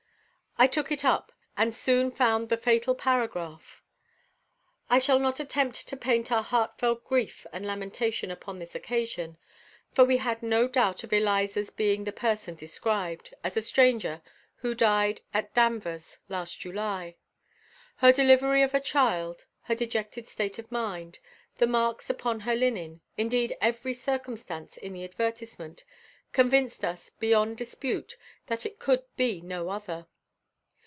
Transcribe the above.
I took it up, and soon found the fatal paragraph. I shall not attempt to paint our heartfelt grief and lamentation upon this occasion; for we had no doubt of Eliza's being the person described, as a stranger, who died, at Danvers, last July. Her delivery of a child, her dejected state of mind, the marks upon her linen, indeed every circumstance in the advertisement, convinced us, beyond dispute, that it could be no other.